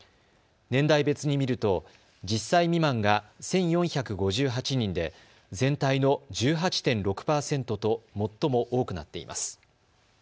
年代別に見ると１０歳未満が１４５８人で全体の１８．６％と最も多くなっています。